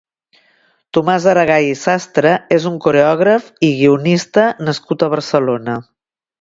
Tomàs Aragay i Sastre és un coreògraf i guionista nascut a Barcelona.